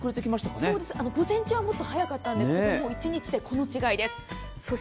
午前中はもっと早かったんですけれども、１日で、この違い。